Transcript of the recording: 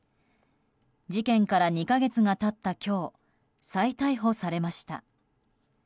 事件から２か月が経った今日再逮捕されました。